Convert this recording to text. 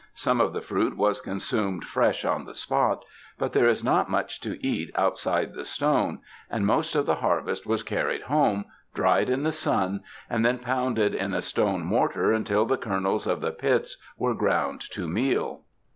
Some of the fruit was consumed fresh on the spot, but there is not much to eat outside the stone, and most of the harvest was carried home, dried in the sun, and then pounded in a stone mor tar until the kernels of the pits were ground to meal.